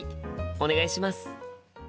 お願いします。